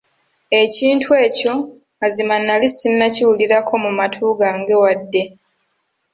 Ekintu ekyo mazima nnali ssinnakiwulirako mu matu gange wadde.